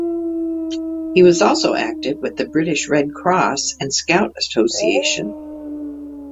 He was also active with the British Red Cross and Scout Association.